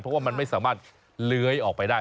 เพราะว่ามันไม่สามารถเลื้อยออกไปได้